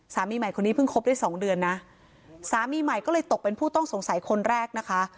สามีใหม่คนนี้เพิ่งคบได้สองเดือนนะสามีใหม่ก็เลยตกเป็นผู้ต้องสงสัยคนแรกนะคะ